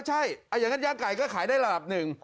ใช่อย่างนั้นย่างไก่ก็ขายได้ระดับหนึ่ง